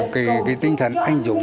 cái tinh thần anh dũng